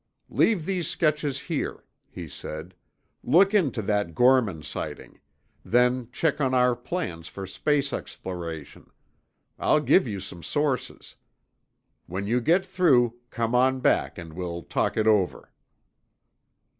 "Leave these sketches here," he said. "Look into that Gorman sighting. Then check on our plans for space exploration. I'll give you some sources. When you get through, come on back and we'll talk it over."